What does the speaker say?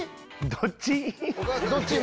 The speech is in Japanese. どっち？